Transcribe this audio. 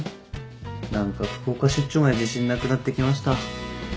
何か福岡出張まで自信なくなってきました。